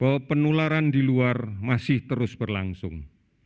bahwa penularan di luar masih terus berlangsung